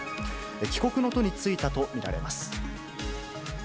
帰国の途に就いたと見られます。